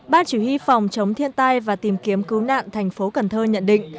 ban chủ yếu phòng chống thiên tai và tìm kiếm cứu nạn tp cần thơ nhận định